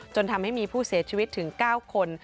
จนทำให้มีผู้เสียชีวิตถึง๙คน